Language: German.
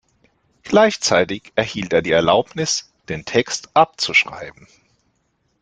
Gleichzeitig erhielt er die Erlaubnis, den Text abzuschreiben.